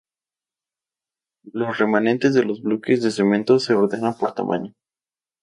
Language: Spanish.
Los remanentes de los bloques de cemento se ordenan por tamaño.